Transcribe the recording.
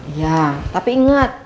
iya tapi inget